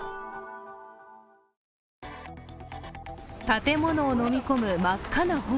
建物をのみ込む真っ赤な炎。